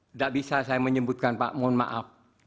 tidak bisa saya menyebutkan pak mohon maaf